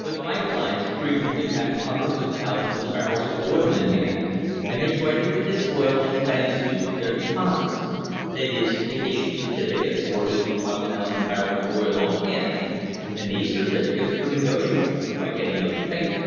The pipe lines frequently had hundreds of thousands of barrels of oil in hand, and they traded with this oil as banks do with their deposits — that is, they issued certificates for each 1,000 barrels of oil on hand, and these certificates were negotiable like any other paper.